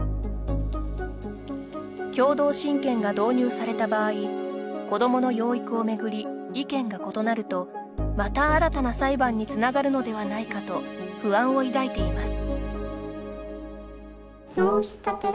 共同親権が導入された場合子どもの養育をめぐり意見が異なるとまた新たな裁判につながるのではないかと不安を抱いています。